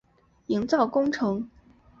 营造工程